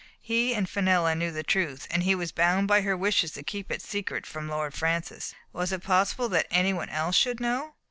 He and Fenella knew the truth, and he was bound by her wishes to keep it secret from Lord Francis ; was it possible that anyone else should know?